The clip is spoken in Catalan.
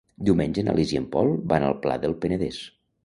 Diumenge na Lis i en Pol van al Pla del Penedès.